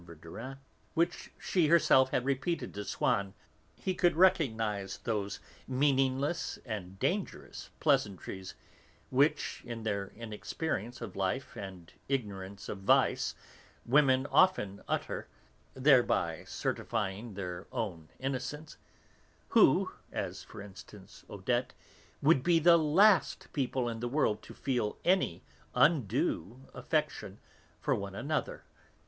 Verdurin which she herself had repeated to Swann, he could recognize those meaningless and dangerous pleasantries which, in their inexperience of life and ignorance of vice, women often utter (thereby certifying their own innocence), who as, for instance, Odette, would be the last people in the world to feel any undue affection for one another.